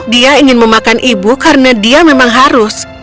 dia ingin memakan ibu karena dia memang harus